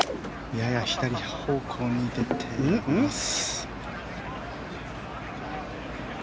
やや左方向に出ています。